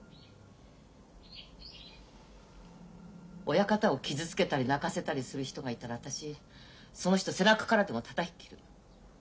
親方を傷つけたり泣かせたりする人がいたら私その人背中からでもたたき切る。